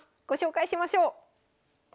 ご紹介しましょう。